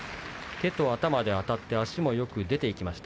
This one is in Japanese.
手と頭であたって足もよく出ていきました。